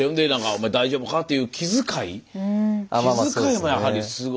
お前大丈夫かという気遣い気遣いもやはりすごいですね。